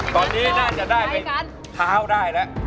ตอนนี้น่าจะได้ไปเท้าได้แล้ว